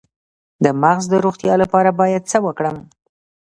د مغز د روغتیا لپاره باید څه وکړم؟